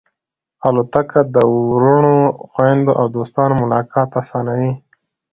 الوتکه د وروڼو، خوېندو او دوستانو ملاقات آسانوي.